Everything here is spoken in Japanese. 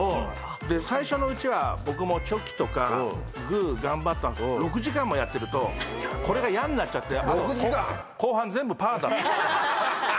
最初のうちは、僕もチョキとかグー、頑張ったんですけれども、６時間もやってると、これがやになっちゃって、後半全部パーに。